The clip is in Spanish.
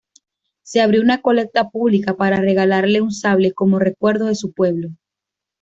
Se abrió una colecta pública para regalarle un sable como recuerdo de su pueblo.